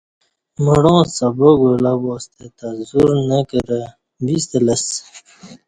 مڑاں سبق ولہ واستے تہ زور نہ کرہ ویستہ لسہ